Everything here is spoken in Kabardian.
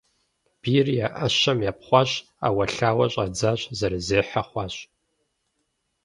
Бийр я Ӏэщэм епхъуащ Ӏэуэлъауэу щӀадзащ зэрызехьэ хъуащ.